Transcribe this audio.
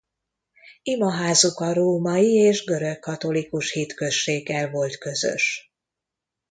Imaházuk a római és görögkatolikus hitközséggel volt közös.